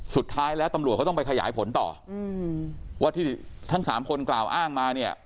สุดท้ายแล้วตำรวจเขาต้องไปขยายผลต่อว่าที่ทั้งสามคนกล่าวอ้างมาเนี่ย